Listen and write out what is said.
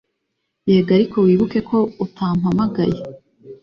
yego ariko wibukeko utampamagaye